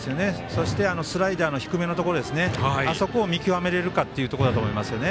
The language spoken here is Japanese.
そして、スライダーの低めのところ、あそこを見極められるかっていうところだと思います。